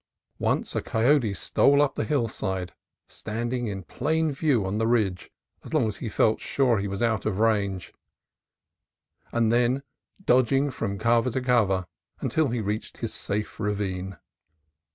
Once a coyote stole up the hillside, standing in plain view on the ridge as long as he felt sure he was out of range, and then dodging from cover to cover until he reached his safe ravine.